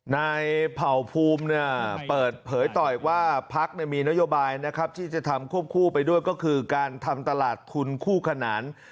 เผ่าภูมิเปิดเผยต่ออีกว่าพักมีนโยบายนะครับที่จะทำควบคู่ไปด้วยก็คือการทำตลาดทุนคู่ขนาน